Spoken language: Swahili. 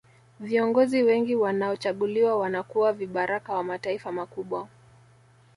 viongozi wengi wanaochaguliwa wanakuwa vibaraka wa mataifa makubwa